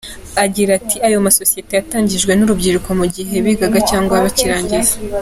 Agira ati “Ayo masosiyete yatangijwe n’urubyiruko mu gihe bigaga cyangwa bakirangiza.